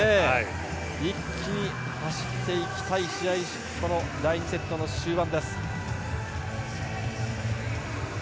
一気に走っていきたい第２セットの終盤。